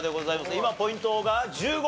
今ポイントが１５。